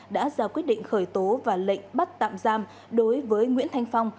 đã ra quyết định khởi tố và lệnh bắt tạm giam đối với nguyễn thanh phong